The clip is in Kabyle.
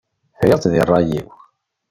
Friɣ-tt di ṛṛay-iw.